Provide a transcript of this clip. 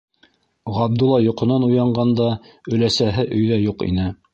Ғабдулла йоҡонан уянғанда, өләсәһе өйҙә юҡ ине.